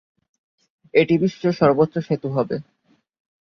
এটি বিশ্বের সর্বোচ্চ সেতু হবে।